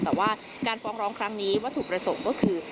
แต่ว่าการฟ้องร้องครั้งนี้วัตถุประสงค์ก็คือ